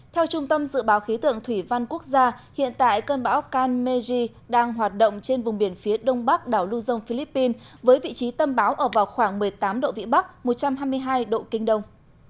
theo trung tâm dự báo khí tượng thủy văn quốc gia hiện tại cơn bão kanmeji đang hoạt động trên vùng biển phía đông bắc đảo luzon philippines với vị trí tâm bão ở vào khoảng một mươi tám độ vĩ bắc một trăm hai mươi hai độ kinh đông